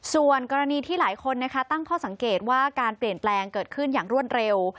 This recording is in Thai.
ส่วนกรณีที่หลายคนตั้งข้อสังเกตว่าการเปลี่ยนแปลงเกิดขึ้นอย่างรวดเร็ว